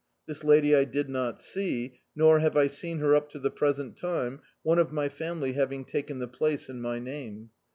This lady I did not see, nor have I seen her up to the present time, one of my family having taken the place in my name.